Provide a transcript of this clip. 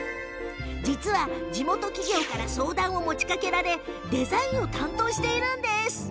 実は、地元企業から相談を持ちかけられデザインを担当しているんです。